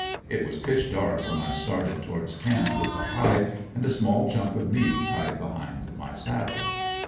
It was pitch dark when I started towards camp with the hide and a small chunk of meat tied behind my saddle.